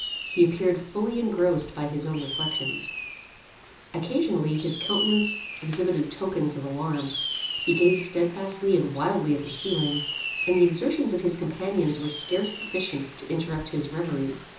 He appeared fully engrossed by his own reflections. Occasionally his countenance exhibited tokens of alarm; he gazed stedfastly and wildly at the ceiling; and the exertions of his companions were scarcely sufficient to interrupt his reverie.